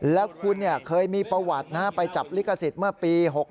แล้วคุณเคยมีประวัติไปจับลิขสิทธิ์เมื่อปี๖๖